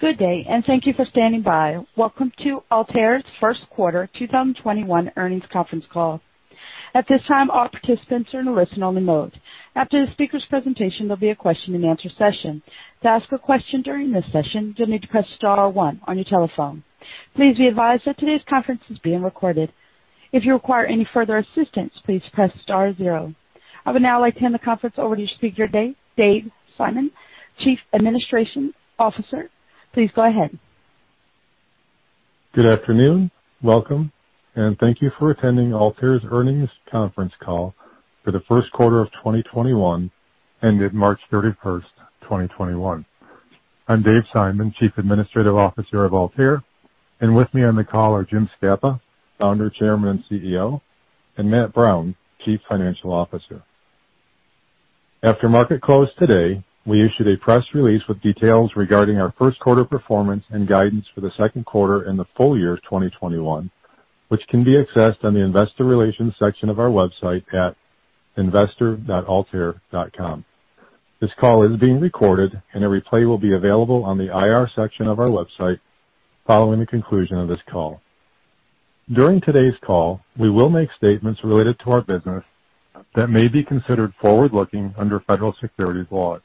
Good day, and thank you for standing by. Welcome to Altair's First Quarter 2021 Earnings Conference Call. At this time, all participants are on listen only mode. After the speaker's presentation, there'll be a question and answer session. To ask a question during this session, you need to press star one on your telephone. Please be advised that today's conference is being recorded. If you require any further assistance, please press star zero. I would now like to hand the conference over to speaker Dave Simon, Chief Administrative Officer. Please go ahead. Good afternoon, welcome, and thank you for attending Altair's earnings conference call for the first quarter of 2021 ended March 31st, 2021. I'm Dave Simon, Chief Administrative Officer of Altair, and with me on the call are James Scapa, Founder, Chairman, and CEO, and Matt Brown, Chief Financial Officer. After market close today, we issued a press release with details regarding our first quarter performance and guidance for the second quarter and the full year 2021, which can be accessed on the investor relations section of our website at investor.altair.com. This call is being recorded, and a replay will be available on the IR section of our website following the conclusion of this call. During today's call, we will make statements related to our business that may be considered forward-looking under Federal Securities Laws.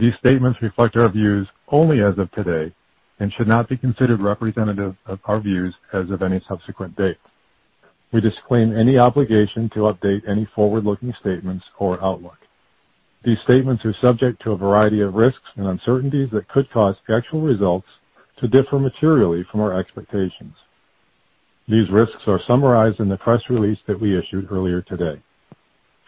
These statements reflect our views only as of today and should not be considered representative of our views as of any subsequent date. We disclaim any obligation to update any forward-looking statements or outlook. These statements are subject to a variety of risks and uncertainties that could cause actual results to differ materially from our expectations. These risks are summarized in the press release that we issued earlier today.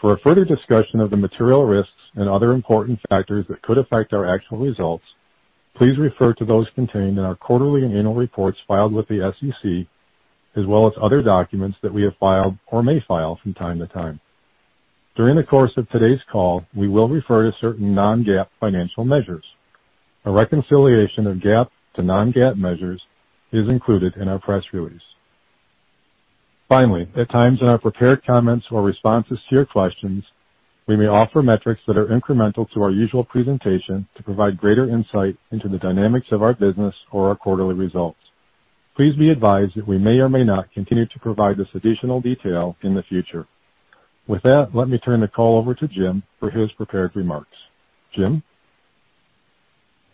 For a further discussion of the material risks and other important factors that could affect our actual results, please refer to those contained in our quarterly and annual reports filed with the SEC, as well as other documents that we have filed or may file from time to time. During the course of today's call, we will refer to certain non-GAAP financial measures. A reconciliation of GAAP to non-GAAP measures is included in our press release. At times in our prepared comments or responses to your questions, we may offer metrics that are incremental to our usual presentation to provide greater insight into the dynamics of our business or our quarterly results. Please be advised that we may or may not continue to provide this additional detail in the future. With that, let me turn the call over to Jim for his prepared remarks. Jim?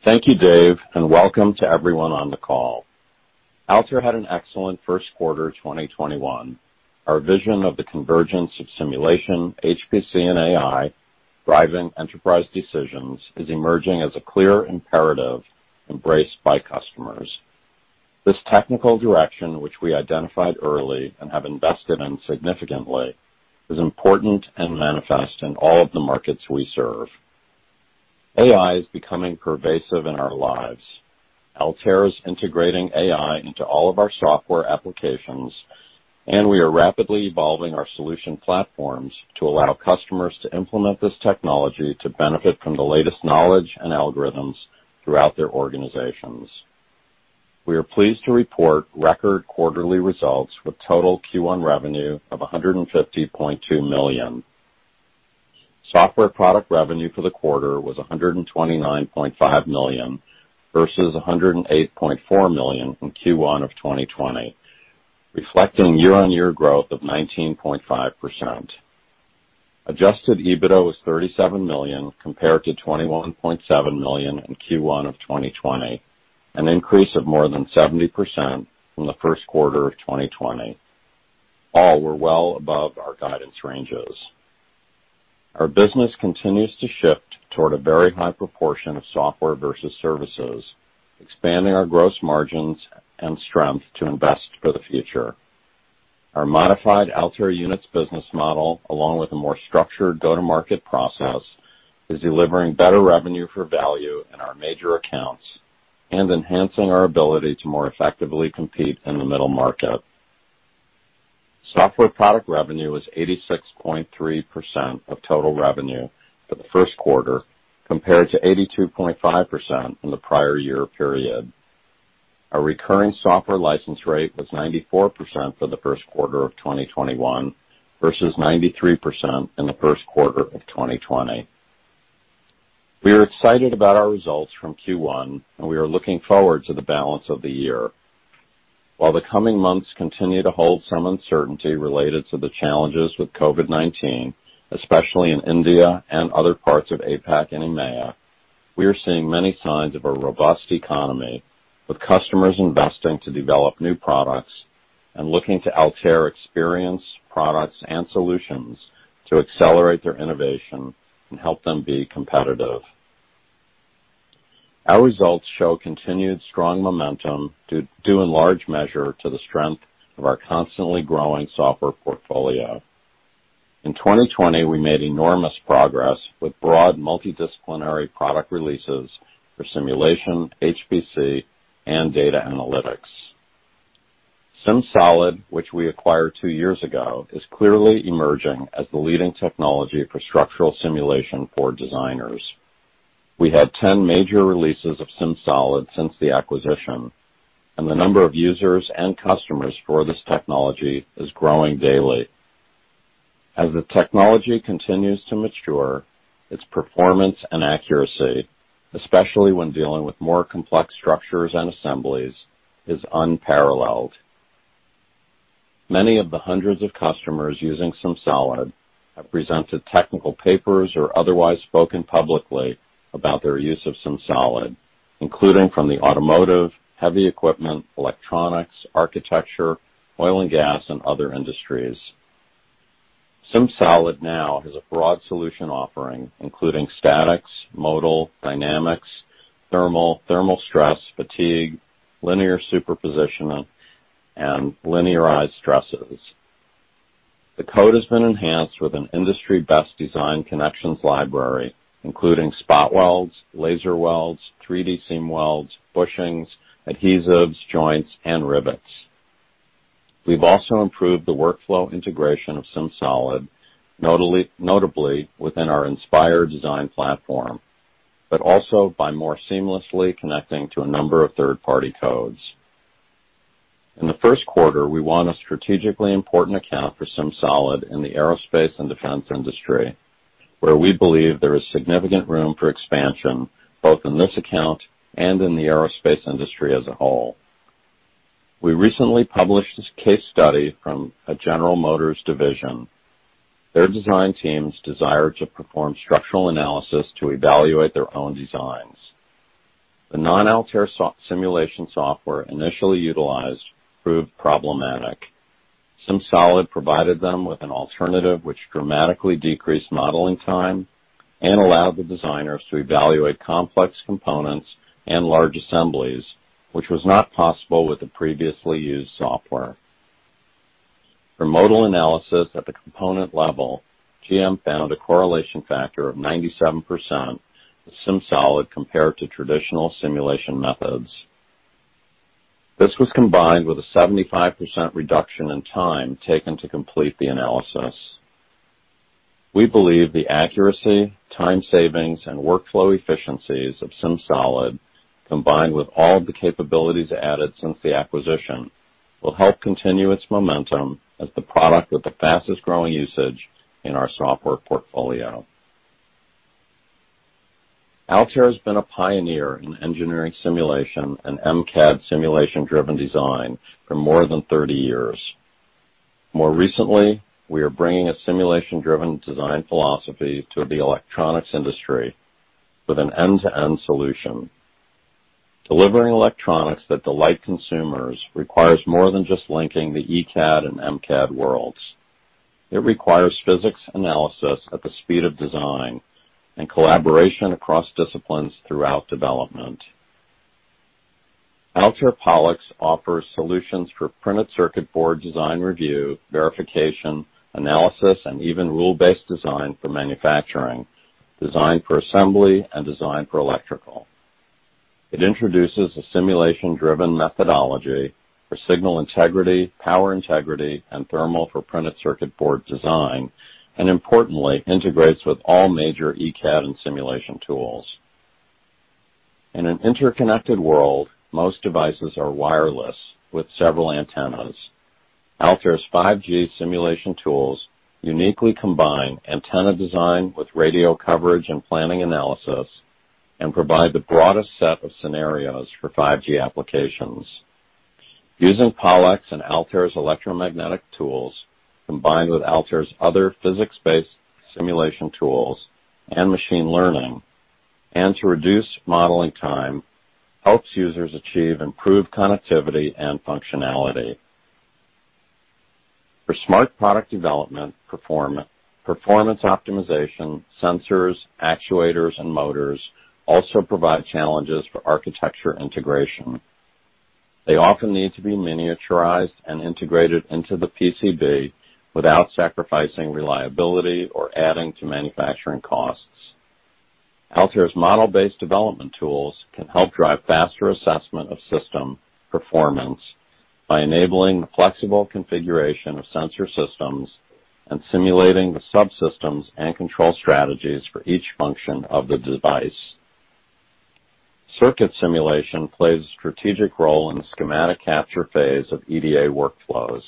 Thank you, Dave, and welcome to everyone on the call. Altair had an excellent first quarter 2021. Our vision of the convergence of simulation, HPC, and AI driving enterprise decisions is emerging as a clear imperative embraced by customers. This technical direction, which we identified early and have invested in significantly, is important and manifest in all of the markets we serve. AI is becoming pervasive in our lives. Altair is integrating AI into all of our software applications, and we are rapidly evolving our solution platforms to allow customers to implement this technology to benefit from the latest knowledge and algorithms throughout their organizations. We are pleased to report record quarterly results with total Q1 revenue of $150.2 million. Software product revenue for the quarter was $129.5 million versus $108.4 million in Q1 of 2020, reflecting year-on-year growth of 19.5%. Adjusted EBITDA was $37 million compared to $21.7 million in Q1 of 2020, an increase of more than 70% from the first quarter of 2020. All were well above our guidance ranges. Our business continues to shift toward a very high proportion of software versus services, expanding our gross margins and strength to invest for the future. Our modified Altair Units business model, along with a more structured go-to-market process, is delivering better revenue for value in our major accounts and enhancing our ability to more effectively compete in the middle market. Software product revenue was 86.3% of total revenue for the first quarter, compared to 82.5% in the prior year period. Our recurring software license rate was 94% for the first quarter of 2021 versus 93% in the first quarter of 2020. We are excited about our results from Q1, and we are looking forward to the balance of the year. While the coming months continue to hold some uncertainty related to the challenges with COVID-19, especially in India and other parts of APAC and EMEA, we are seeing many signs of a robust economy, with customers investing to develop new products and looking to Altair experience, products, and solutions to accelerate their innovation and help them be competitive. Our results show continued strong momentum due in large measure to the strength of our constantly growing software portfolio. In 2020, we made enormous progress with broad multidisciplinary product releases for simulation, HPC, and data analytics. SimSolid, which we acquired two years ago, is clearly emerging as the leading technology for structural simulation for designers. We had 10 major releases of SimSolid since the acquisition and the number of users and customers for this technology is growing daily. As the technology continues to mature, its performance and accuracy, especially when dealing with more complex structures and assemblies, is unparalleled. Many of the hundreds of customers using SimSolid have presented technical papers or otherwise spoken publicly about their use of SimSolid, including from the automotive, heavy equipment, electronics, architecture, oil and gas, and other industries. SimSolid now has a broad solution offering, including statics, modal, dynamics, thermal stress, fatigue, linear superpositioning, and linearized stresses. The code has been enhanced with an industry-best design connections library, including spot welds, laser welds, 3D seam welds, bushings, adhesives, joints, and rivets. We've also improved the workflow integration of SimSolid, notably within our Inspire design platform, but also by more seamlessly connecting to a number of third-party codes. In the first quarter, we won a strategically important account for SimSolid in the aerospace and defense industry, where we believe there is significant room for expansion both in this account and in the aerospace industry as a whole. We recently published this case study from a General Motors division. Their design team's desire to perform structural analysis to evaluate their own designs. The non-Altair simulation software initially utilized proved problematic. SimSolid provided them with an alternative which dramatically decreased modeling time and allowed the designers to evaluate complex components and large assemblies which was not possible with the previously used software. For modal analysis at the component level, GM found a correlation factor of 97% with SimSolid compared to traditional simulation methods. This was combined with a 75% reduction in time taken to complete the analysis. We believe the accuracy, time savings, and workflow efficiencies of SimSolid, combined with all the capabilities added since the acquisition, will help continue its momentum as the product with the fastest-growing usage in our software portfolio. Altair has been a pioneer in engineering simulation and MCAD simulation-driven design for more than 30 years. More recently, we are bringing a simulation-driven design philosophy to the electronics industry with an end-to-end solution. Delivering electronics that delight consumers requires more than just linking the ECAD and MCAD worlds. It requires physics analysis at the speed of design and collaboration across disciplines throughout development. Altair PollEx offers solutions for printed circuit board design review, verification, analysis, and even rule-based design for manufacturing, design for assembly, and design for electrical. It introduces a simulation-driven methodology for signal integrity, power integrity, and thermal for printed circuit board design, and importantly, integrates with all major ECAD and simulation tools. In an interconnected world, most devices are wireless with several antennas. Altair's 5G simulation tools uniquely combine antenna design with radio coverage and planning analysis and provide the broadest set of scenarios for 5G applications. Using PollEx and Altair's electromagnetic tools, combined with Altair's other physics-based simulation tools and machine learning and to reduce modeling time, helps users achieve improved connectivity and functionality. For smart product development, performance optimization, sensors, actuators, and motors also provide challenges for architecture integration. They often need to be miniaturized and integrated into the PCB without sacrificing reliability or adding to manufacturing costs. Altair's model-based development tools can help drive faster assessment of system performance by enabling the flexible configuration of sensor systems and simulating the subsystems and control strategies for each function of the device. Circuit simulation plays a strategic role in the schematic capture phase of EDA workflows.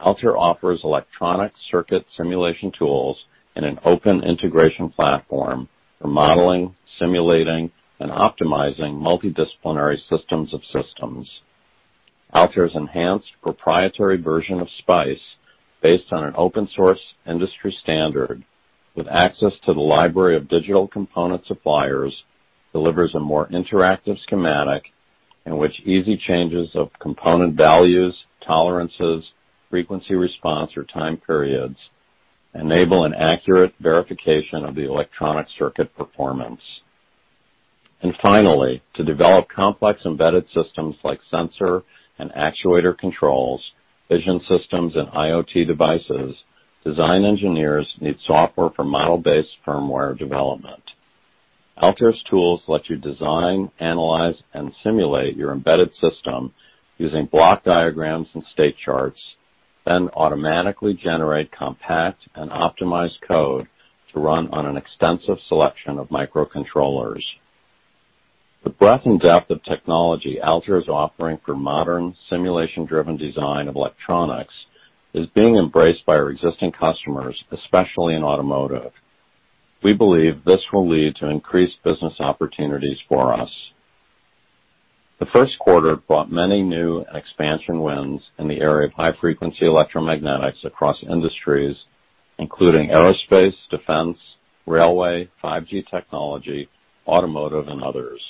Altair offers electronic circuit simulation tools in an open integration platform for modeling, simulating, and optimizing multidisciplinary systems of systems. Altair's enhanced proprietary version of SPICE, based on an open-source industry standard with access to the library of digital component suppliers, delivers a more interactive schematic in which easy changes of component values, tolerances, frequency response, or time periods enable an accurate verification of the electronic circuit performance. Finally, to develop complex embedded systems like sensor and actuator controls, vision systems, and IoT devices, design engineers need software for model-based firmware development. Altair's tools let you design, analyze, and simulate your embedded system using block diagrams and state charts then automatically generate compact and optimized code to run on an extensive selection of microcontrollers. The breadth and depth of technology Altair is offering for modern simulation-driven design of electronics is being embraced by our existing customers, especially in automotive. We believe this will lead to increased business opportunities for us. The first quarter brought many new expansion wins in the area of high-frequency electromagnetics across industries, including aerospace, defense, railway, 5G technology, automotive, and others.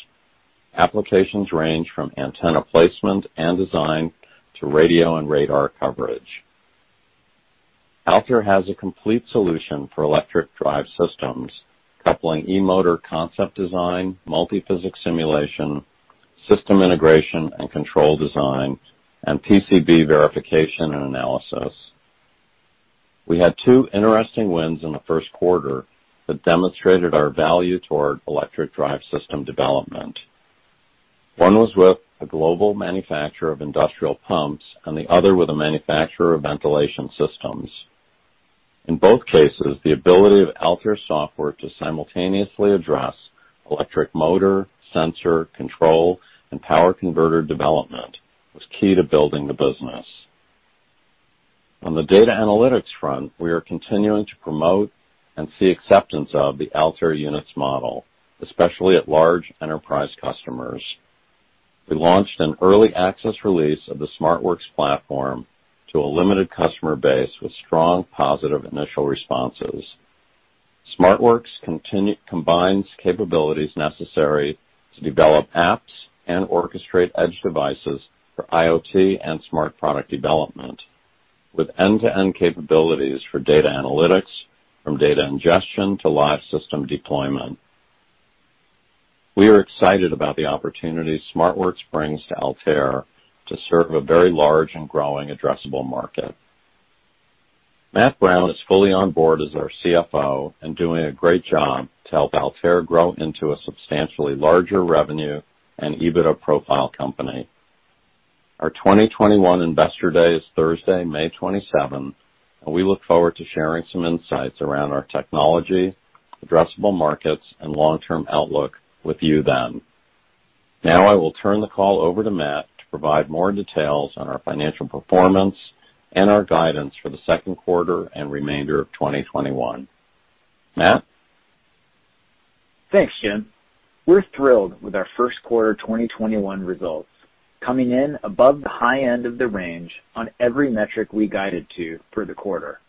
Applications range from antenna placement and design to radio and radar coverage. Altair has a complete solution for electric drive systems, coupling E-motor concept design, multi-physics simulation, system integration and control design, and PCB verification and analysis. We had two interesting wins in the first quarter that demonstrated our value toward electric drive system development. One was with a global manufacturer of industrial pumps, and the other with a manufacturer of ventilation systems. In both cases, the ability of Altair software to simultaneously address electric motor, sensor, control, and power converter development was key to building the business. On the data analytics front, we are continuing to promote and see acceptance of the Altair Units model especially at large enterprise customers. We launched an early access release of the SmartWorks platform to a limited customer base with strong positive initial responses. SmartWorks combines capabilities necessary to develop apps and orchestrate edge devices for IoT and smart product development, with end-to-end capabilities for data analytics from data ingestion to live system deployment. We are excited about the opportunities SmartWorks brings to Altair to serve a very large and growing addressable market. Matt Brown is fully on board as our CFO and doing a great job to help Altair grow into a substantially larger revenue and EBITDA profile company. Our 2021 Investor Day is Thursday, May 27th, and we look forward to sharing some insights around our technology, addressable markets, and long-term outlook with you then. Now I will turn the call over to Matt to provide more details on our financial performance and our guidance for the second quarter and remainder of 2021. Matt? Thanks, Jim. We're thrilled with our first quarter 2021 results, coming in above the high end of the range on every metric we guided to for the quarter.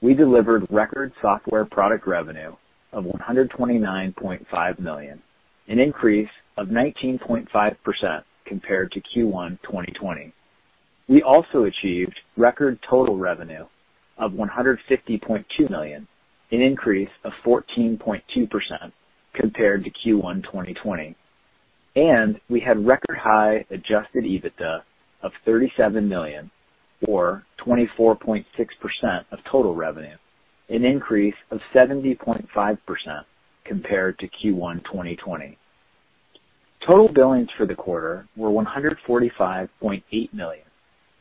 We delivered record software product revenue of $129.5 million, an increase of 19.5% compared to Q1 2020. We also achieved record total revenue of $150.2 million, an increase of 14.2% compared to Q1 2020. We had record high Adjusted EBITDA of $37 million, or 24.6% of total revenue, an increase of 70.5% compared to Q1 2020. Total billings for the quarter were $145.8 million,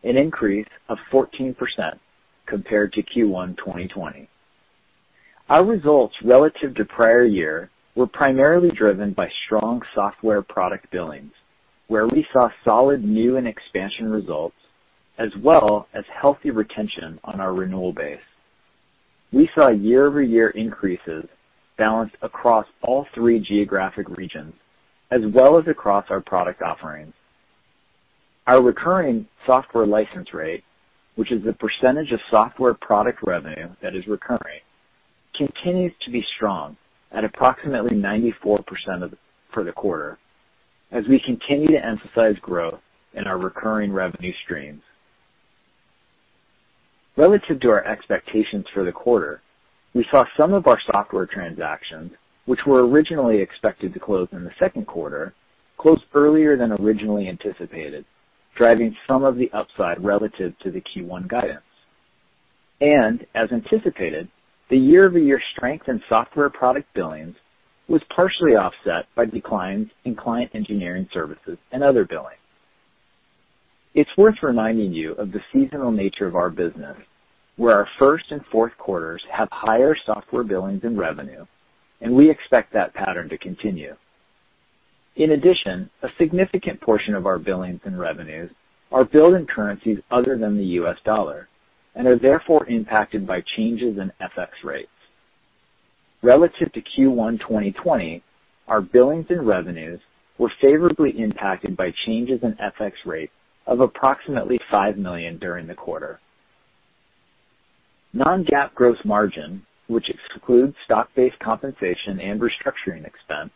an increase of 14% compared to Q1 2020. Our results relative to prior year were primarily driven by strong software product billings, where we saw solid new and expansion results, as well as healthy retention on our renewal base. We saw year-over-year increases balanced across all three geographic regions, as well as across our product offerings. Our recurring software license rate, which is the percentage of software product revenue that is recurring, continues to be strong at approximately 94% for the quarter as we continue to emphasize growth in our recurring revenue streams. Relative to our expectations for the quarter, we saw some of our software transactions which were originally expected to close in the second quarter, close earlier than originally anticipated, driving some of the upside relative to the Q1 guidance. As anticipated, the year-over-year strength in software product billings was partially offset by declines in client engineering services and other billings. It's worth reminding you of the seasonal nature of our business, where our first and fourth quarters have higher software billings and revenue and we expect that pattern to continue. In addition, a significant portion of our billings and revenues are billed in currencies other than the US dollar and are therefore impacted by changes in FX rates. Relative to Q1 2020, our billings and revenues were favorably impacted by changes in FX rates of approximately $5 million during the quarter. Non-GAAP gross margin, which excludes stock-based compensation and restructuring expense,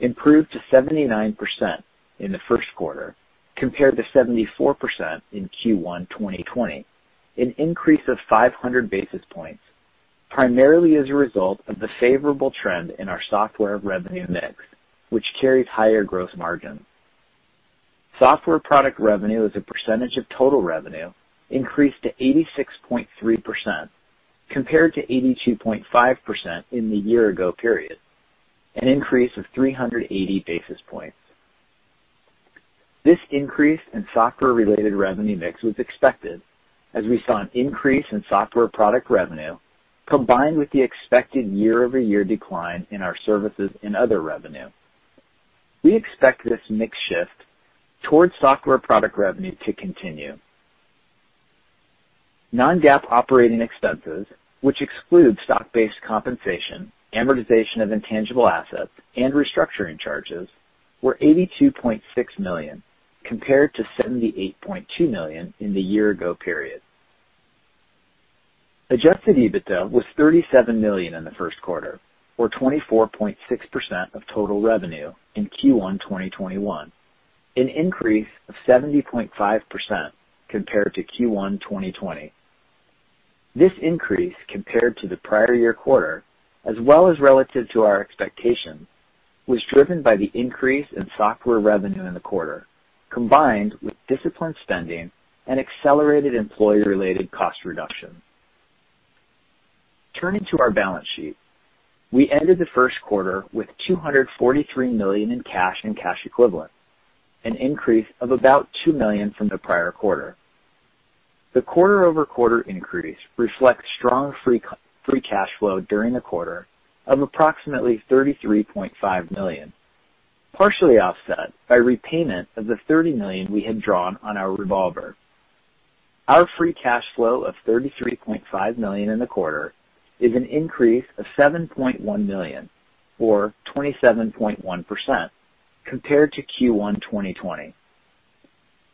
improved to 79% in the first quarter compared to 74% in Q1 2020, an increase of 500 basis points, primarily as a result of the favorable trend in our software revenue mix, which carries higher gross margin. Software product revenue as a percentage of total revenue increased to 86.3% compared to 82.5% in the year-ago period, an increase of 380 basis points. This increase in software-related revenue mix was expected as we saw an increase in software product revenue combined with the expected year-over-year decline in our services and other revenue. We expect this mix shift towards software product revenue to continue. Non-GAAP operating expenses, which excludes stock-based compensation, amortization of intangible assets, and restructuring charges were $82.6 million, compared to $78.2 million in the year-ago period. Adjusted EBITDA was $37 million in the first quarter, or 24.6% of total revenue in Q1 2021, an increase of 70.5% compared to Q1 2020. This increase compared to the prior year quarter as well as relative to our expectations, was driven by the increase in software revenue in the quarter, combined with disciplined spending and accelerated employee-related cost reductions. Turning to our balance sheet, we ended the first quarter with $243 million in cash and cash equivalents, an increase of about $2 million from the prior quarter. The quarter-over-quarter increase reflects strong Free Cash Flow during the quarter of approximately $33.5 million, partially offset by repayment of the $30 million we had drawn on our revolver. Our Free Cash Flow of $33.5 million in the quarter is an increase of $7.1 million, or 27.1% compared to Q1 2020.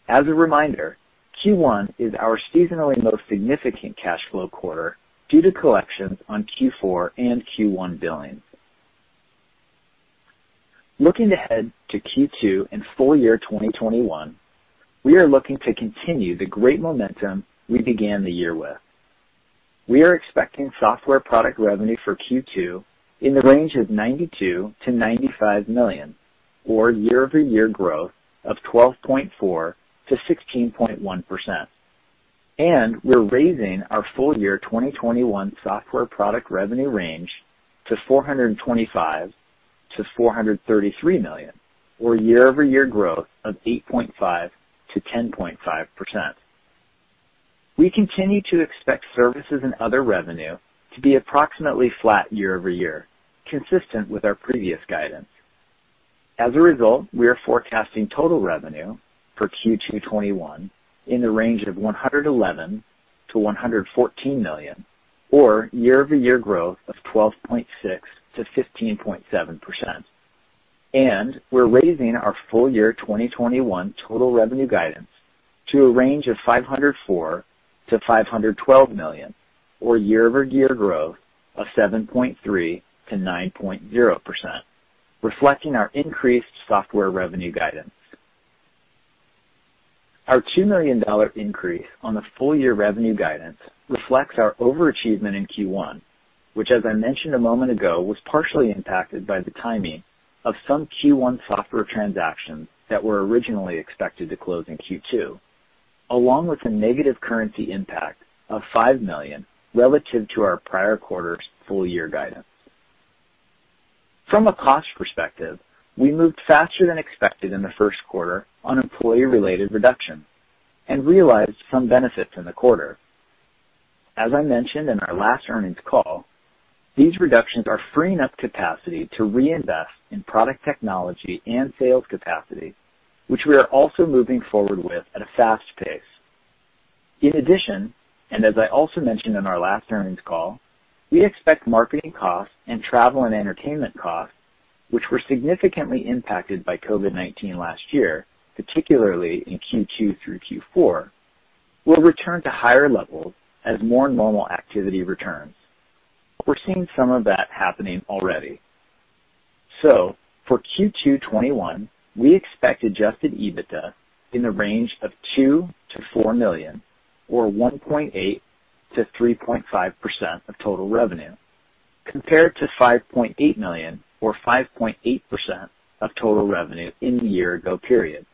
As a reminder, Q1 is our seasonally most significant cash flow quarter due to collections on Q4 and Q1 billings. Looking ahead to Q2 and full year 2021, we are looking to continue the great momentum we began the year with. We are expecting software product revenue for Q2 in the range of $92 million-$95 million, or year-over-year growth of 12.4% to 16.1%. We're raising our full year 2021 software product revenue range to $425 million-$433 million, or year-over-year growth of 8.5% to 10.5%. We continue to expect services and other revenue to be approximately flat year-over-year, consistent with our previous guidance. As a result, we are forecasting total revenue for Q2 2021 in the range of $111 million-$114 million, or year-over-year growth of 12.6% to 15.7%. We're raising our full year 2021 total revenue guidance to a range of $504 million-$512 million, or year-over-year growth of 7.3% to 9.0%, reflecting our increased software revenue guidance. Our $2 million increase on the full year revenue guidance reflects our overachievement in Q1, which, as I mentioned a moment ago, was partially impacted by the timing of some Q1 software transactions that were originally expected to close in Q2, along with a negative currency impact of $5 million relative to our prior quarter's full year guidance. From a cost perspective, we moved faster than expected in the first quarter on employee-related reduction and realized some benefits in the quarter. As I mentioned in our last earnings call, these reductions are freeing up capacity to reinvest in product technology and sales capacity, which we are also moving forward with at a fast pace. In addition, as I also mentioned in our last earnings call, we expect marketing costs and travel and entertainment costs, which were significantly impacted by COVID-19 last year, particularly in Q2 through Q4, will return to higher levels as more normal activity returns. We're seeing some of that happening already. For Q2 2021, we expect Adjusted EBITDA in the range of $2 million-$4 million, or 1.8% to 3.5% of total revenue, compared to $5.8 million or 5.8% of total revenue in the year ago period.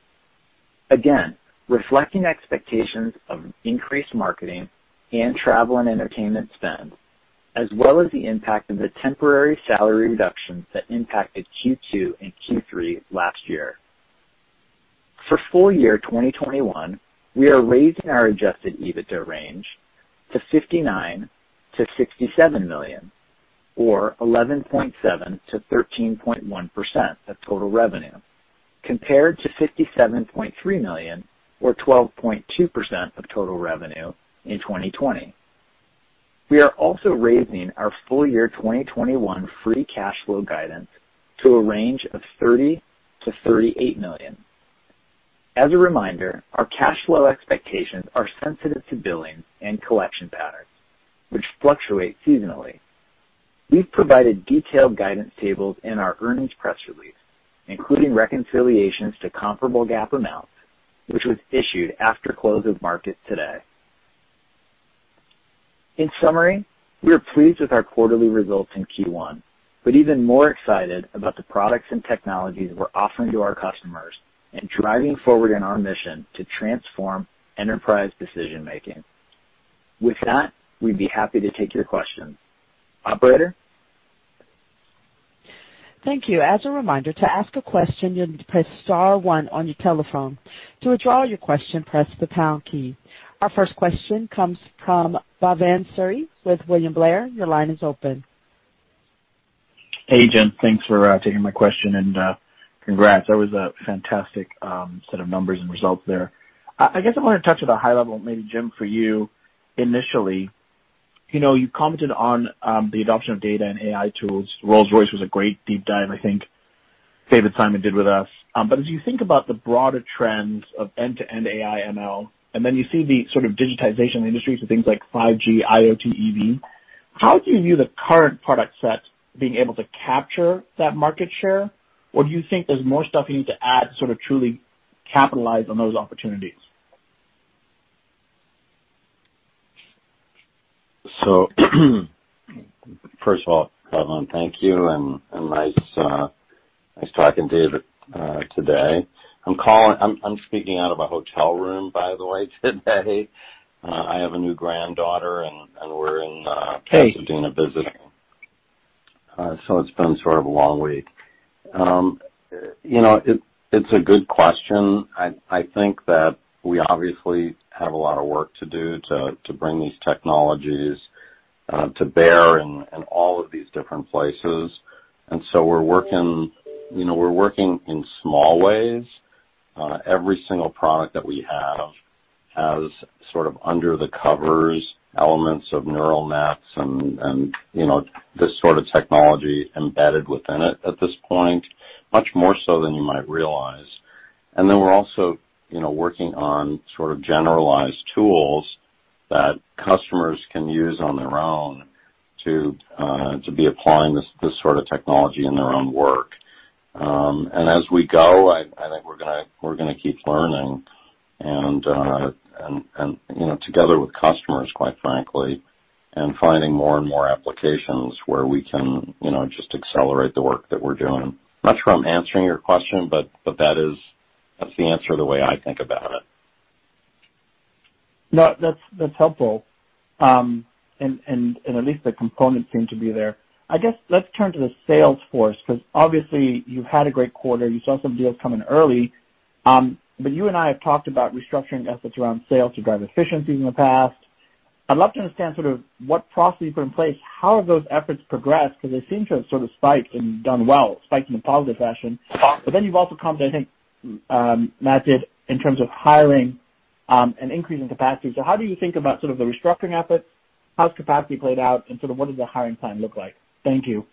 Reflecting expectations of increased marketing and travel and entertainment spend, as well as the impact of the temporary salary reductions that impacted Q2 and Q3 last year. For full year 2021, we are raising our Adjusted EBITDA range to $59 million-$67 million, or 11.7% to 13.1% of total revenue, compared to $57.3 million or 12.2% of total revenue in 2020. We are also raising our full year 2021 free cash flow guidance to a range of $30 million-$38 million. As a reminder, our cash flow expectations are sensitive to billing and collection patterns, which fluctuate seasonally. We've provided detailed guidance tables in our earnings press release, including reconciliations to comparable GAAP amounts, which was issued after close of market today. In summary, we are pleased with our quarterly results in Q1, but even more excited about the products and technologies we're offering to our customers and driving forward in our mission to transform enterprise decision-making. With that, we'd be happy to take your questions. Operator? Thank you. As a reminder, to ask a question, you'll need to press star one on your telephone. To withdraw your question, press the pound key. Our first question comes from Bhavan Suri with William Blair. Your line is open. Hey, Jim. Thanks for taking my question and congrats. That was a fantastic set of numbers and results there. I guess I want to touch at a high level, maybe Jim, for you initially. You commented on the adoption of data and AI tools. Rolls-Royce was a great deep dive, I think Dave Simon did with us. As you think about the broader trends of end-to-end AI ML, and then you see the sort of digitization of the industry for things like 5G, IoT, EV, how do you view the current product set being able to capture that market share? Do you think there's more stuff you need to add to sort of truly capitalize on those opportunities? First of all, Bhavan, thank you and nice talking to you today. I'm speaking out of a hotel room, by the way, today. I have a new granddaughter, and we're in- Okay. Pasadena visiting. It's been sort of a long week. It's a good question. I think that we obviously have a lot of work to do to bring these technologies to bear in all of these different places. We're working in small ways. Every single product that we have has sort of under the covers elements of neural nets and this sort of technology embedded within it at this point, much more so than you might realize. We're also working on sort of generalized tools that customers can use on their own to be applying this sort of technology in their own work. As we go, I think we're going to keep learning and together with customers, quite frankly, and finding more and more applications where we can just accelerate the work that we're doing. I'm not sure I'm answering your question, but that's the answer the way I think about it. No, that's helpful. At least the components seem to be there. I guess let's turn to the Salesforce, because obviously you've had a great quarter. You saw some deals coming early. You and I have talked about restructuring efforts around sales to drive efficiencies in the past. I'd love to understand sort of what processes you put in place. How have those efforts progressed? They seem to have sort of spiked and done well, spiked in a positive fashion. You've also commented, I think, Matt did, in terms of hiring and increasing capacity. How do you think about sort of the restructuring efforts? How's capacity played out and sort of what does the hiring plan look like? Thank you.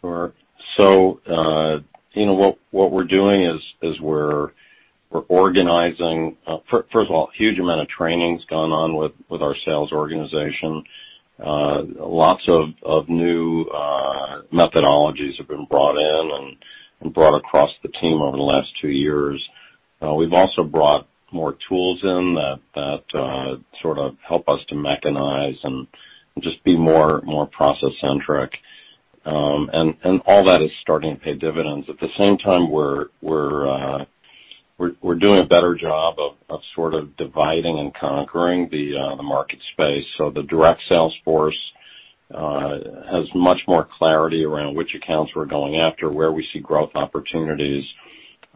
Sure. So, what we are doing, is we are organizing, first of all, huge amount of training's gone on with our sales organization. Lots of new methodologies have been brought in and brought across the team over the last two years. We've also brought more tools in that sort of help us to mechanize and just be more process-centric. All that is starting to pay dividends. At the same time, we're doing a better job of sort of dividing and conquering the market space. The direct sales force has much more clarity around which accounts we're going after where we see growth opportunities.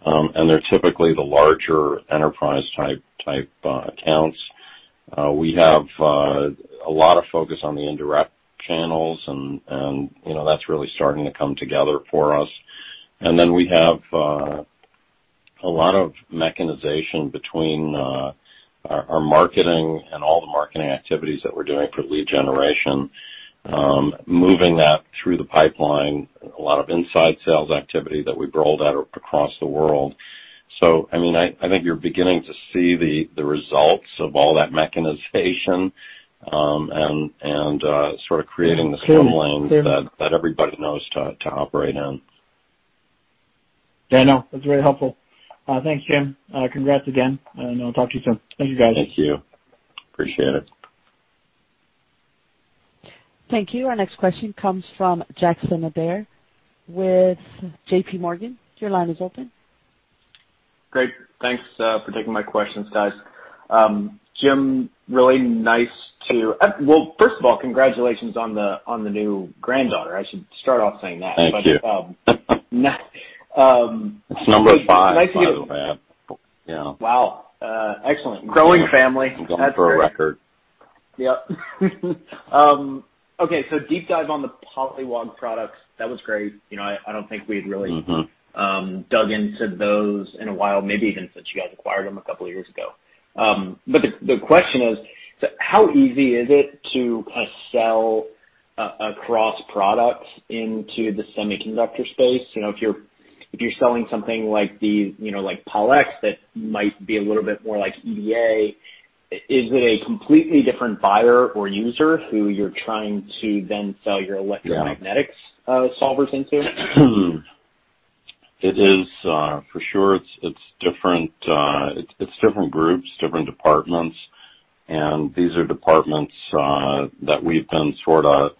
They're typically the larger enterprise-type accounts. We have a lot of focus on the indirect channels, and that's really starting to come together for us. We have a lot of mechanization between our marketing and all the marketing activities that we're doing for lead generation, moving that through the pipeline, a lot of inside sales activity that we rolled out across the world. I think you're beginning to see the results of all that mechanization, and sort of creating the swim lanes that everybody knows to operate in. Yeah, no, that's very helpful. Thanks, Jim. Congrats again, and I'll talk to you soon. Thank you, guys. Thank you. Appreciate it. Thank you. Our next question comes from Jackson Ader with JPMorgan. Your line is open. Great. Thanks for taking my questions, guys. Jim, Well, first of all, congratulations on the new granddaughter. I should start off saying that. Thank you. But- It's number five, by the way. Wow. Excellent. Growing family. I'm going for a record. Yep. Deep dive on the PollEx products. That was great. I don't think we've really dug into those in a while, maybe even since you guys acquired them a couple of years ago. The question is, how easy is it to kind of sell across products into the semiconductor space? If you're selling something like PollEx that might be a little bit more like EDA, is it a completely different buyer or user who you're trying to then sell your electromagnetics solvers into? It is, for sure. It's different groups, different departments, and these are departments that we've been sort of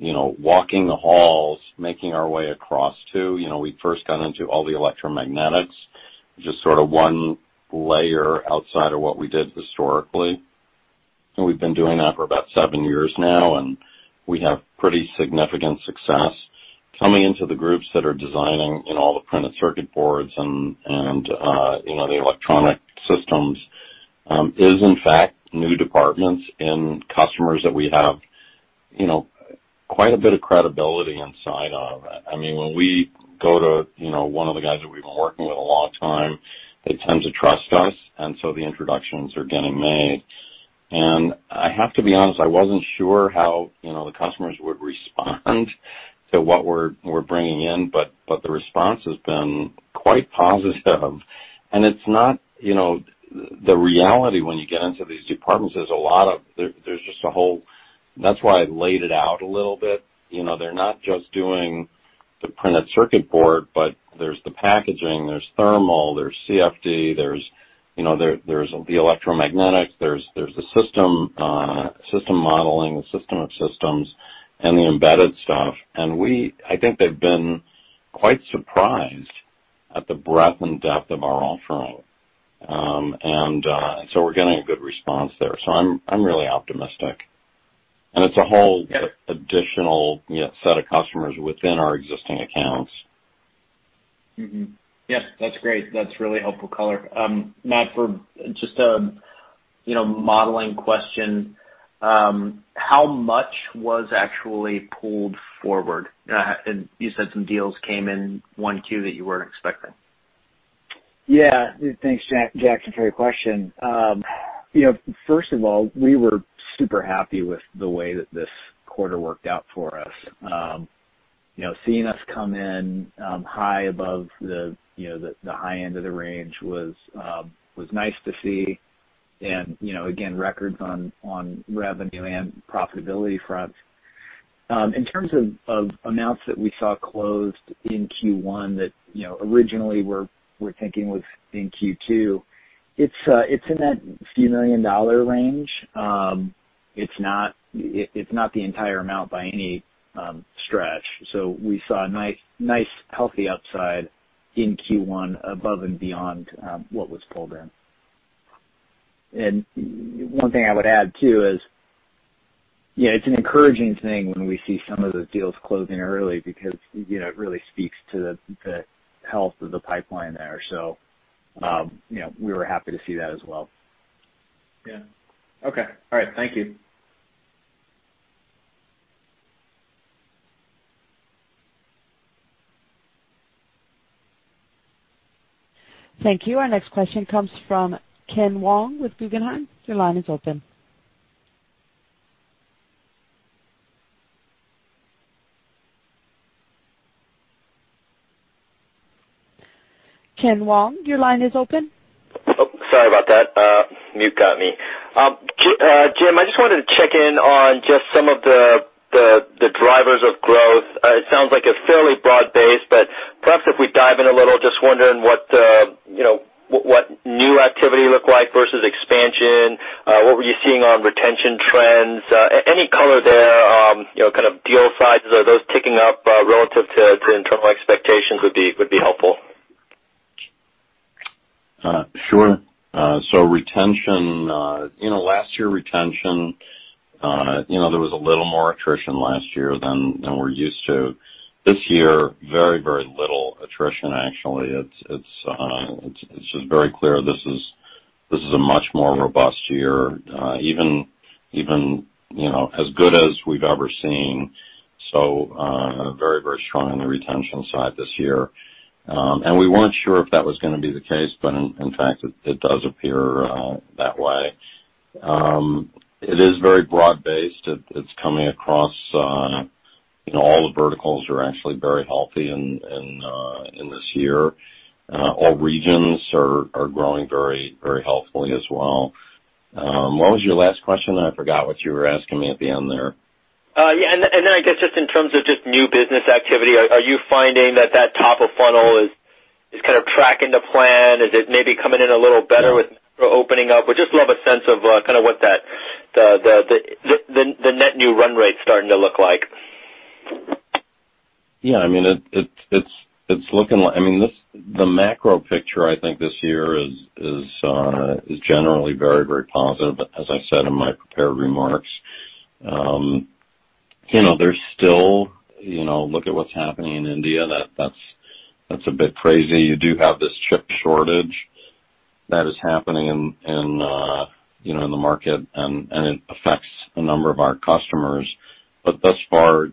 walking the halls, making our way across to. We first got into all the electromagnetics, just sort of one layer outside of what we did historically. We've been doing that for about seven years now, and we have pretty significant success coming into the groups that are designing in all the printed circuit boards and the electronic systems is in fact new departments and customers that we have quite a bit of credibility inside of. When we go to one of the guys that we've been working with a long time, they tend to trust us, and so the introductions are getting made. I have to be honest, I wasn't sure how the customers would respond to what we're bringing in but the response has been quite positive. The reality when you get into these departments, there's just a whole. That's why I laid it out a little bit. They're not just doing the printed circuit board, but there's the packaging, there's thermal, there's CFD, there's the electromagnetics, there's the system modeling, the system of systems, and the embedded stuff. I think they've been quite surprised at the breadth and depth of our offering. We're getting a good response there. I'm really optimistic. It's a whole additional set of customers within our existing accounts. Yep. That's great. That's really helpful color. Matt, for just a modeling question, how much was actually pulled forward? You said some deals came in Q1 that you weren't expecting. Yeah. Thanks, Jackson, for your question. First of all, we were super happy with the way that this quarter worked out for us. Seeing us come in high above the high end of the range was nice to see. Again, records on revenue and profitability fronts. In terms of amounts that we saw closed in Q1 that originally we're thinking was in Q2, it's in that few million dollar range. It's not the entire amount by any stretch. We saw a nice, healthy upside in Q1 above and beyond what was pulled in. One thing I would add, too, is it's an encouraging thing when we see some of the deals closing early because it really speaks to the health of the pipeline there. We were happy to see that as well. Yeah. Okay. All right. Thank you. Thank you. Our next question comes from Ken Wong with Guggenheim. Your line is open. Ken Wong, your line is open. Oh, sorry about that. Mute got me. Jim, I just wanted to check in on just some of the drivers of growth. It sounds like a fairly broad base, but perhaps if we dive in a little, just wondering what new activity look like versus expansion. What were you seeing on retention trends? Any color there, kind of deal sizes, are those ticking up relative to internal expectations would be helpful. Sure. Last year retention, there was a little more attrition last year than we're used to. This year, very little attrition, actually. It's just very clear this is a much more robust year even, you know as good as we've ever seen. Very strong on the retention side this year. We weren't sure if that was going to be the case, but in fact, it does appear that way. It is very broad-based. It's coming across all the verticals are actually very healthy in this year. All regions are growing very healthily as well. What was your last question? I forgot what you were asking me at the end there. Yeah. I guess just in terms of just new business activity, are you finding that that top of funnel is kind of tracking to plan? Is it maybe coming in a little better with opening up? Would just love a sense of kind of what the net new run rate's starting to look like. Yeah. The macro picture, I think this year is generally very positive. As I said in my prepared remarks, look at what's happening in India. That's a bit crazy. You do have this chip shortage that is happening in the market, and it affects a number of our customers. Thus far,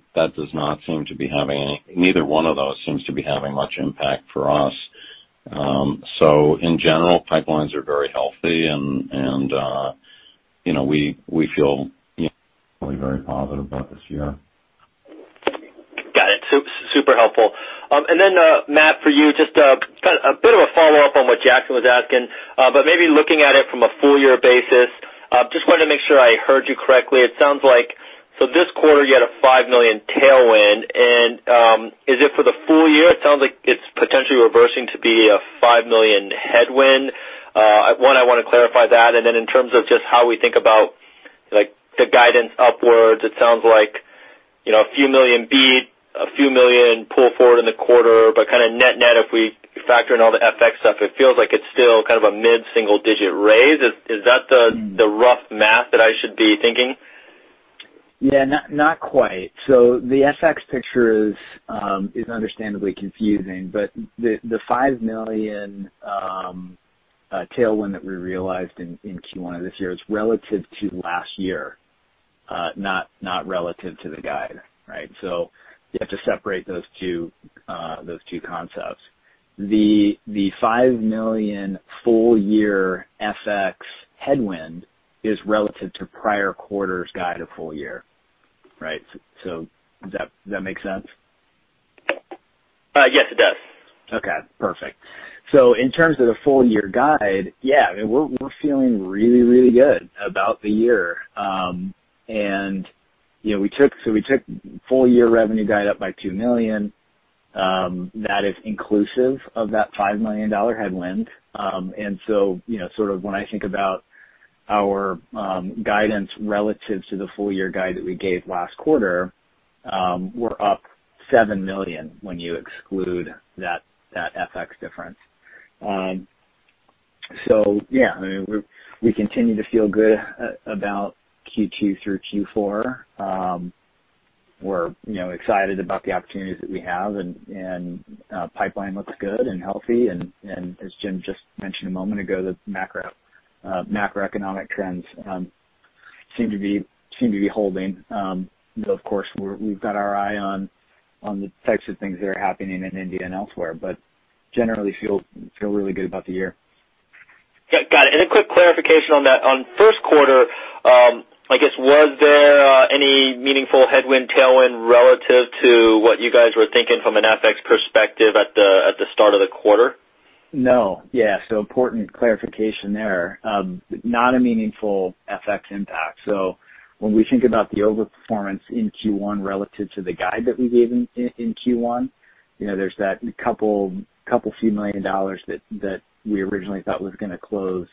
neither one of those seems to be having much impact for us. In general, pipelines are very healthy, and we feel very positive about this year. Got it. Super helpful. And then Matt, for you, just a bit of a follow-up on what Jack was asking, but maybe looking at it from a full-year basis, just wanted to make sure I heard you correctly. It sounds like, so this quarter, you had a $5 million tailwind, and is it for the full year? It sounds like it's potentially reversing to be a $5 million headwind. One, I want to clarify that, and then in terms of just how we think about the guidance upwards, it sounds like a few million beat, a few million pull forward in the quarter. Net-net, if we factor in all the FX stuff, it feels like it's still a mid-single digit raise. Is that the rough math that I should be thinking? Yeah, not quite. The FX picture is understandably confusing, but the $5 million tailwind that we realized in Q1 of this year is relative to last year, not relative to the guide, right? You have to separate those two concepts. The $5 million full-year FX headwind is relative to prior quarter's guide of full year. Right? Does that make sense? Yes, it does. Okay, perfect. In terms of the full year guide, yeah, we're feeling really good about the year. We took full year revenue guide up by $2 million. That is inclusive of that $5 million headwind. When I think about our guidance relative to the full year guide that we gave last quarter, we're up $7 million when you exclude that FX difference. Yeah, we continue to feel good about Q2 through Q4. We're excited about the opportunities that we have, and pipeline looks good and healthy, and as Jim just mentioned a moment ago, the macroeconomic trends seem to be holding. Though, of course, we've got our eye on the types of things that are happening in India and elsewhere but generally feel really good about the year. Yeah, got it. A quick clarification on that. On first quarter, I guess, was there any meaningful headwind, tailwind relative to what you guys were thinking from an FX perspective at the start of the quarter? No. Yeah. Important clarification there. Not a meaningful FX impact. When we think about the overperformance in Q1 relative to the guide that we gave in Q1, there's that couple, few million dollars that we originally thought was going to close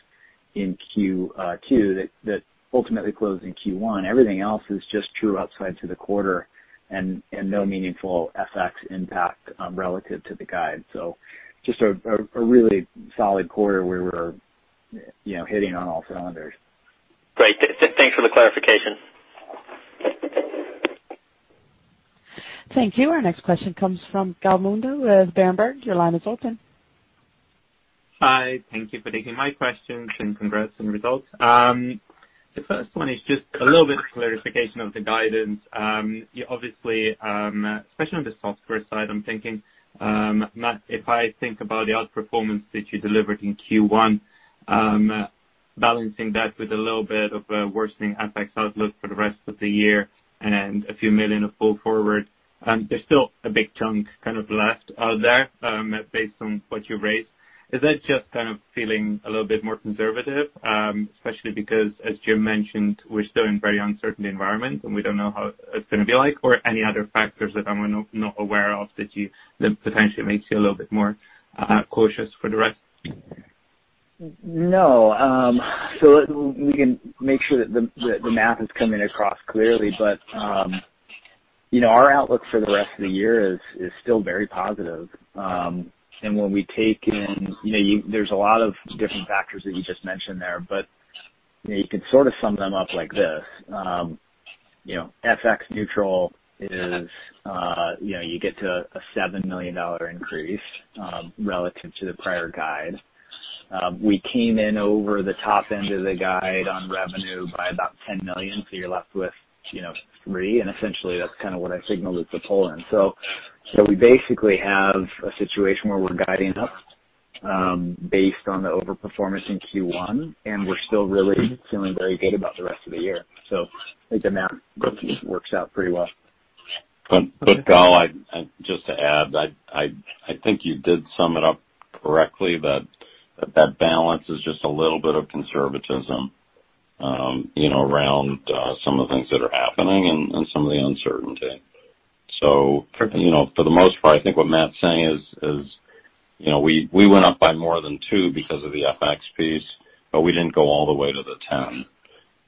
in Q2 that ultimately closed in Q1. Everything else is just true upside to the quarter and no meaningful FX impact relative to the guide. Just a really solid quarter where we're hitting on all cylinders. Great. Thanks for the clarification. Thank you. Our next question comes from Gal Munda with Berenberg. Your line is open. Hi. Thank you for taking my questions and congrats on the results. The first one is just a little bit of clarification of the guidance. Obviously, especially on the software side, I'm thinking, Matt, if I think about the outperformance that you delivered in Q1, balancing that with a little bit of a worsening FX outlook for the rest of the year and a few million of pull forward, and there's still a big chunk left there based on what you raised. Is that just kind of feeling a little bit more conservative? Especially because, as Jim mentioned, we're still in very uncertain environment, and we don't know how it's going to be like, or any other factors that I'm not aware of that potentially makes you a little bit more cautious for the rest? No. We can make sure that the math is coming across clearly. Our outlook for the rest of the year is still very positive. When we take in, there's a lot of different factors that you just mentioned there. You could sort of sum them up like this. FX neutral is you get to a $7 million increase relative to the prior guide. We came in over the top end of the guide on revenue by about $10 million. You're left with $3, essentially that's kind of what I signaled at the pull-in. We basically have a situation where we're guiding up based on the overperformance in Q1. We're still really feeling very good about the rest of the year. I think the math works out pretty well. Gal, just to add, I think you did sum it up correctly, that balance is just a little bit of conservatism around some of the things that are happening and some of the uncertainty. For the most part, I think what Matt's saying is we went up by more than two because of the FX piece, but we didn't go all the way to the 10,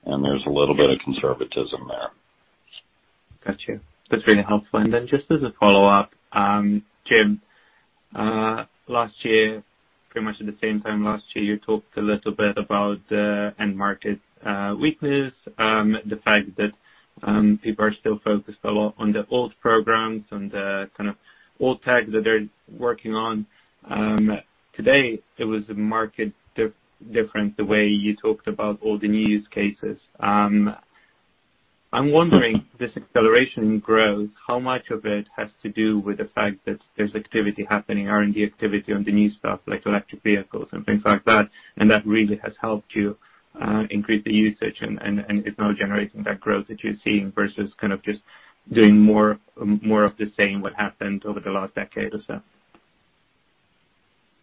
and there's a little bit of conservatism there. Got you. That's really helpful. Then just as a follow-up, Jim, pretty much at the same time last year, you talked a little bit about the end market weakness, the fact that people are still focused a lot on the old programs and the kind of old tech that they're working on. Today, it was a market different the way you talked about all the new use cases. I'm wondering, this acceleration growth, how much of it has to do with the fact that there's activity happening, R&D activity on the new stuff like electric vehicles and things like that, and that really has helped you increase the usage and is now generating that growth that you're seeing versus kind of just doing more of the same what happened over the last decade or so?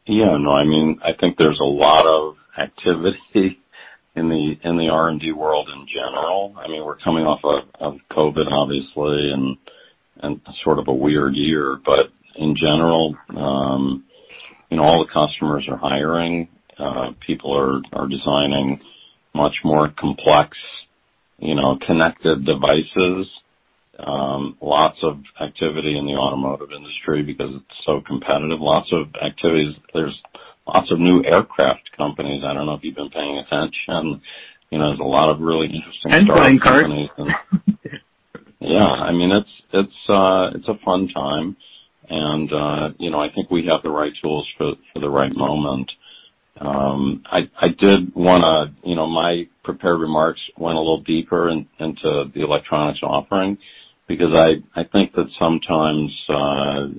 Yeah, no, I think there's a lot of activity in the R&D world in general. We're coming off of COVID-19, obviously, and sort of a weird year. In general, all the customers are hiring. People are designing much more complex, connected devices. Lots of activity in the automotive industry because it's so competitive. Lots of activities. There's lots of new aircraft companies. I don't know if you've been paying attention. There's a lot of really interesting stuff. And flying cars. Yeah. It's a fun time. I think we have the right tools for the right moment. My prepared remarks went a little deeper into the electronics offering, because I think that sometimes,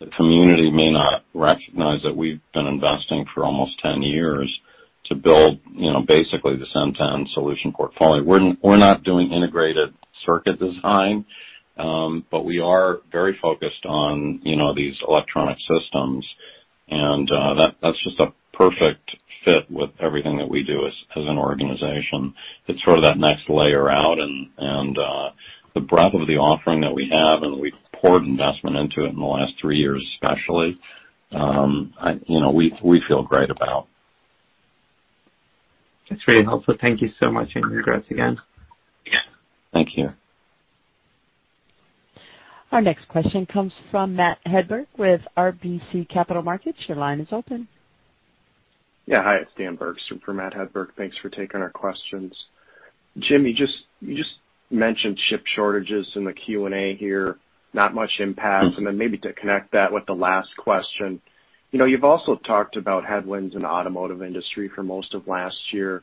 the community may not recognize that we've been investing for almost 10 years to build, basically, sometimes solution portfolio. We're not doing integrated circuit design, but we are very focused on these electronic systems. That's just a perfect fit with everything that we do as an organization. It's sort of that next layer out and the breadth of the offering that we have, and we've poured investment into it in the last three years, especially, we feel great about. That's very helpful. Thank you so much, and congrats again. Yeah. Thank you. Our next question comes from Matt Hedberg with RBC Capital Markets. Your line is open. Yeah. Hi, it's Dan Berg, super Matt Hedberg. Thanks for taking our questions. Jim, you just mentioned chip shortages in the Q&A here, not much impact. Then maybe to connect that with the last question. You've also talked about headwinds in the automotive industry for most of last year.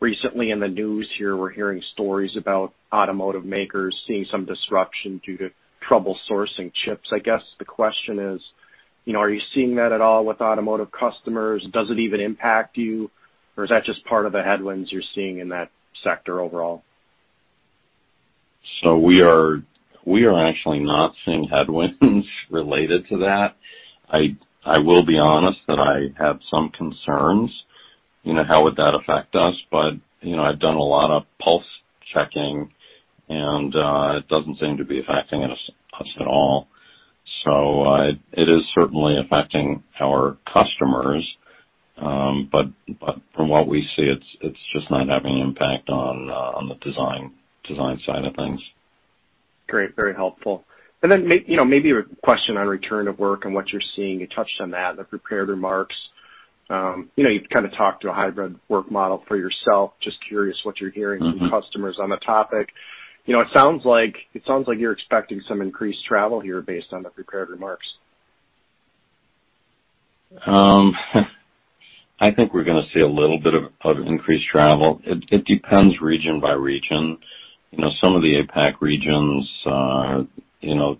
Recently in the news here, we're hearing stories about automotive makers seeing some disruption due to trouble sourcing chips. I guess the question is, are you seeing that at all with automotive customers? Does it even impact you? Is that just part of the headwinds you're seeing in that sector overall? We are actually not seeing headwinds related to that. I will be honest that I have some concerns. How would that affect us? I've done a lot of pulse checking and it doesn't seem to be affecting us at all. It is certainly affecting our customers. From what we see, it's just not having an impact on the design side of things. Great. Very helpful. Then maybe a question on return of work and what you're seeing. You touched on that in the prepared remarks. You kind of talked to a hybrid work model for yourself. Just curious what you're hearing? Mmmh. From customers on the topic. It sounds like you're expecting some increased travel here based on the prepared remarks. I think we're going to see a little bit of increased travel. It depends region by region. Some of the APAC regions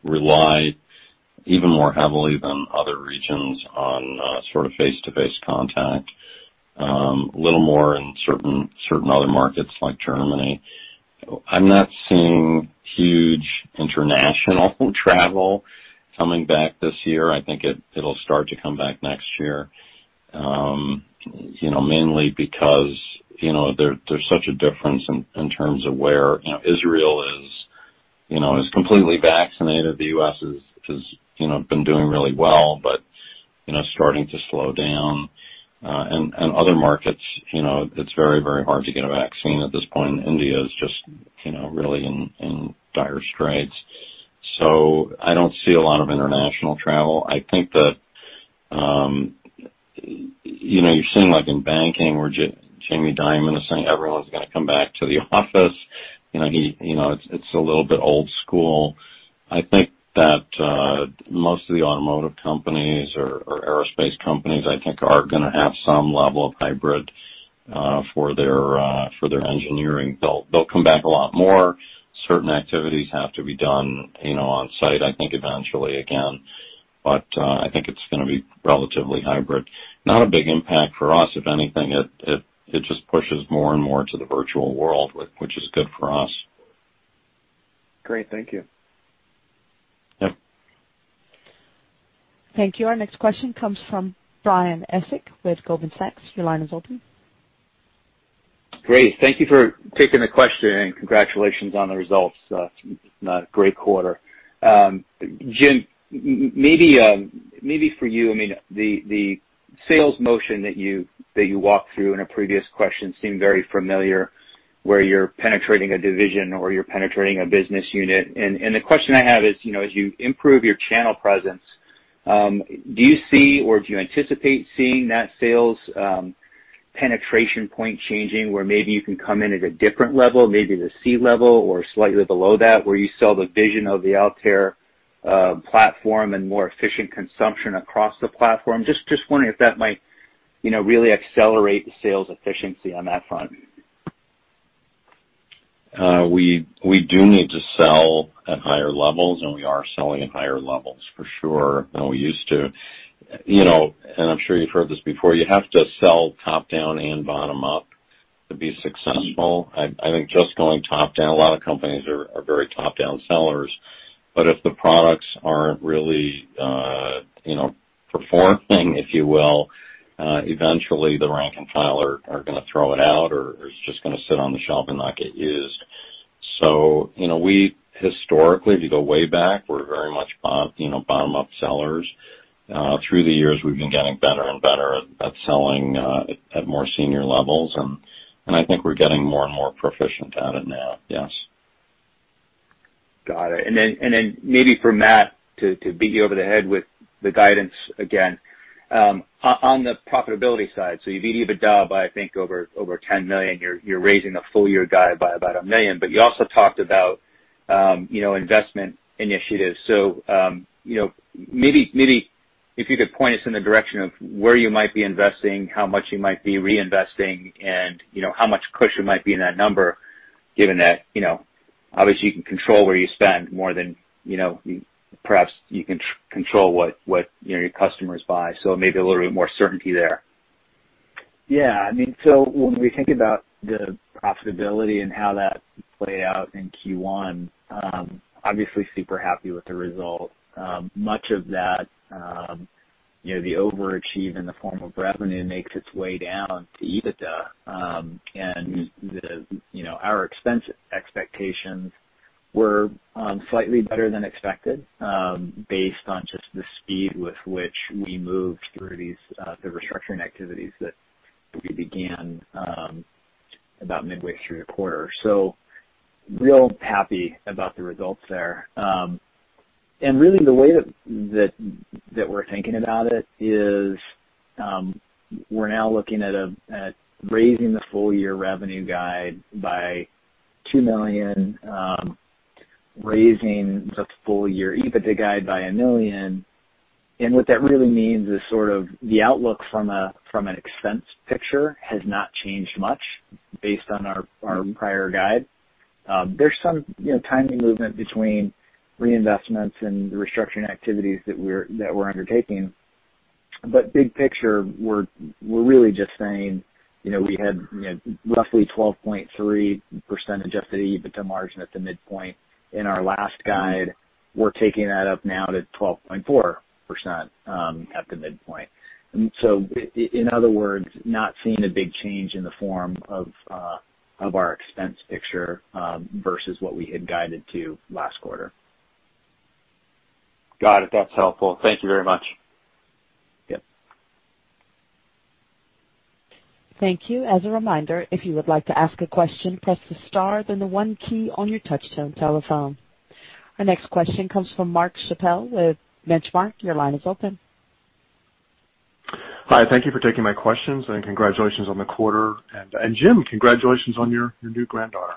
rely even more heavily than other regions on face-to-face contact. A little more in certain other markets like Germany. I'm not seeing huge international travel coming back this year. I think it'll start to come back next year. Mainly because there's such a difference in terms of where Israel is completely vaccinated. The U.S. has been doing really well, but starting to slow down. Other markets, it's very, very hard to get a vaccine at this point, and India is just really in dire straits. I don't see a lot of international travel. I think that you're seeing like in banking where Jamie Dimon is saying everyone's got to come back to the office. It's a little bit old school. I think that most of the automotive companies or aerospace companies, I think are going to have some level of hybrid for their engineering. They'll come back a lot more. Certain activities have to be done on-site, I think eventually again. I think it's going to be relatively hybrid. Not a big impact for us. If anything, it just pushes more and more to the virtual world, which is good for us. Great. Thank you. Yep. Thank you. Our next question comes from Brian Essex with Goldman Sachs. Your line is open. Great. Thank you for taking the question, and congratulations on the results. A great quarter. Jim, maybe for you, the sales motion that you walked through in a previous question seemed very familiar, where you're penetrating a division or you're penetrating a business unit. The question I have is, as you improve your channel presence, do you see or do you anticipate seeing that sales penetration point changing, where maybe you can come in at a different level, maybe the C-level or slightly below that, where you sell the vision of the Altair platform and more efficient consumption across the platform? Just wondering if that might really accelerate the sales efficiency on that front? We do need to sell at higher levels, and we are selling at higher levels, for sure, than we used to. I'm sure you've heard this before, you have to sell top-down and bottom-up to be successful. I think just going top-down, a lot of companies are very top-down sellers. If the products aren't really performing, if you will, eventually the rank and file are going to throw it out, or it's just going to sit on the shelf and not get used. We historically, if you go way back, we're very much bottom-up sellers. Through the years, we've been getting better and better at selling at more senior levels, and I think we're getting more and more proficient at it now, yes. Got it. Maybe for Matt, to beat you over the head with the guidance again. On the profitability side, you beat EBITDA by, I think, over $10 million. You're raising a full-year guide by about $1 million. You also talked about investment initiatives. Maybe if you could point us in the direction of where you might be investing, how much you might be reinvesting, and how much cushion might be in that number, given that obviously you can control where you spend more than perhaps you can control what your customers buy. Maybe a little bit more certainty there. Yeah. When we think about the profitability and how that played out in Q1, obviously super happy with the result. Much of that, the overachieve in the form of revenue, makes its way down to EBITDA. Our expense expectations were slightly better than expected based on just the speed with which we moved through the restructuring activities that we began about midway through the quarter. Real happy about the results there. Really, the way that we're thinking about it is we're now looking at raising the full-year revenue guide by $2 million, raising the full-year EBITDA guide by $1 million. What that really means is sort of the outlook from an expense picture has not changed much based on our prior guide. There's some tiny movement between reinvestments and the restructuring activities that we're undertaking. Big picture, we're really just saying we had roughly 12.3% EBITDA margin at the midpoint in our last guide. We're taking that up now to 12.4% at the midpoint. In other words, not seeing a big change in the form of our expense picture versus what we had guided to last quarter. Got it. That's helpful. Thank you very much. Yep. Thank you. As a reminder, if you would like to ask a question, press the star, then the one key on your touchtone telephone. Our next question comes from Mark Schappel with The Benchmark Company. Your line is open. Hi, thank you for taking my questions, and congratulations on the quarter. James, congratulations on your new granddaughter.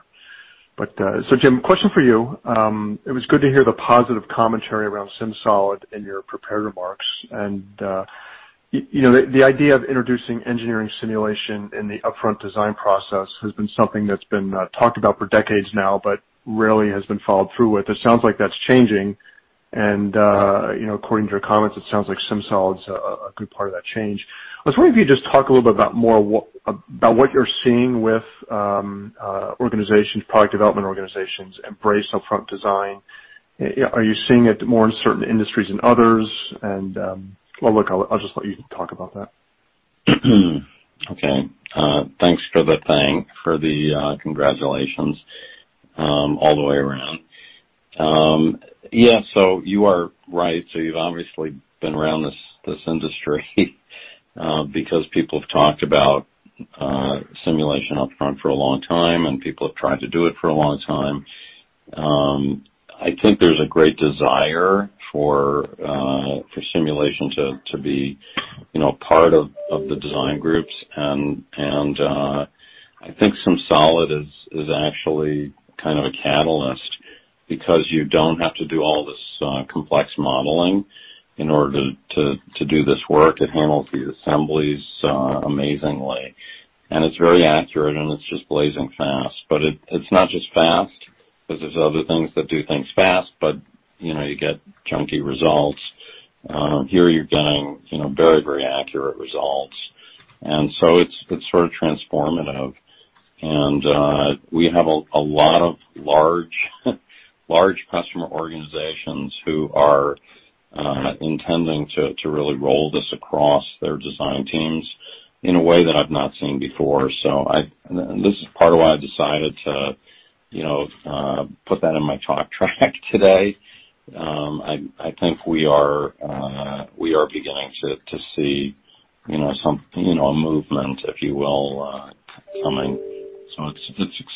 James, question for you. It was good to hear the positive commentary around SimSolid in your prepared remarks. The idea of introducing engineering simulation in the upfront design process has been something that's been talked about for decades now, but rarely has been followed through with. It sounds like that's changing, and according to your comments, it sounds like SimSolid's a good part of that change. I was wondering if you could just talk a little bit about what you're seeing with product development organizations embrace upfront design. Are you seeing it more in certain industries than others? Well, look, I'll just let you talk about that. Okay. Thanks for the congratulations all the way around. You are right. You've obviously been around this industry because people have talked about simulation upfront for a long time, and people have tried to do it for a long time. I think there's a great desire for simulation to be part of the design groups, and I think SimSolid is actually kind of a catalyst because you don't have to do all this complex modeling in order to do this work. It handles the assemblies amazingly. It's very accurate, and it's just blazing fast. It's not just fast, because there's other things that do things fast but you get junky results. Here you're getting very accurate results. It's sort of transformative. We have a lot of large customer organizations who are intending to really roll this across their design teams in a way that I've not seen before. This is part of why I decided to put that in my talk track today. I think we are beginning to see a movement, if you will, coming. It's exciting.